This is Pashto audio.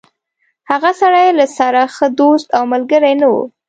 هغه سړی له سره ښه دوست او ملګری نه و.